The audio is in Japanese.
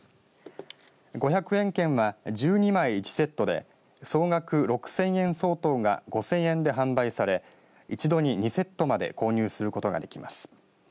５００円券は１２枚１セットで総額６０００円相当が５０００円で販売され一度に２セットまで購入することができます。